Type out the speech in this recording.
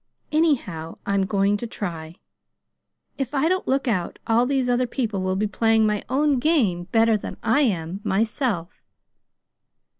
Anyhow I'm going to try. If I don't look out, all these other people will be playing my own game better than I am myself!"